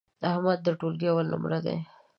احمد د ټولگي اول نمره دی.